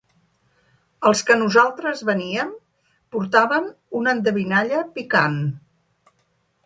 Els que nosaltres veníem portaven una endevinalla picant.